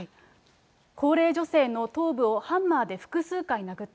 高齢女性の頭部をハンマーで複数回殴った。